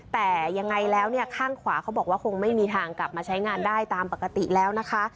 แต่ยังไงแล้วเนี่ยข้างขวาเขาบอกว่าคงไม่มีทางกลับมาใช้งานได้ตามปกติแล้วนะคะ